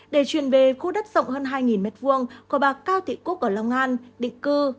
để truyền về khu đất rộng hơn hai m hai của bà cao thị cúc ở long an định cư